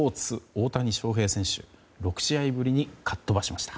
大谷翔平選手６試合ぶりにかっ飛ばしました。